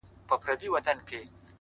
هره لحظه د نوي انتخاب زېږنده ده’